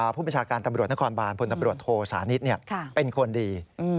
ผู้บัญชาการตำรวจนครบานพลตำรวจโทสานิทเป็นคนดี